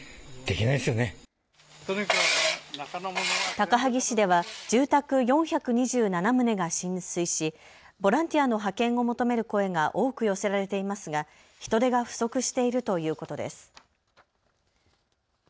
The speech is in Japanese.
高萩市では住宅４２７棟が浸水しボランティアの派遣を求める声が多く寄せられていますが人手が不足しているということです。